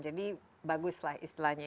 jadi baguslah istilahnya